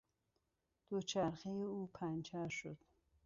دوچرخهٔ او پنچر شد.